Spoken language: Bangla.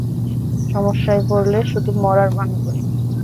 সমস্যায় পড়লে শুধু মরার ভান করি।